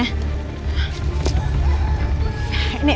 ini makasih ya pak